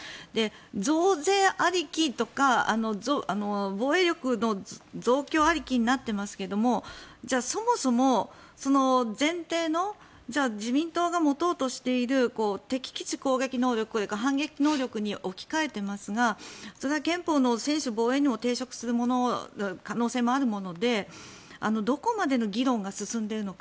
増税ありきとか防衛力の増強ありきになっていますけどそもそも、前提の自民党が持とうとしている敵基地攻撃能力反撃能力に置き換えていますがそれは憲法の専守防衛に抵触する可能性もあるものでどこまでの議論が進んでいるのか。